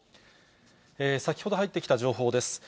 先ほど入ってきた情報です。